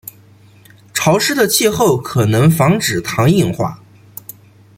潮湿的气候可能防止糖硬化。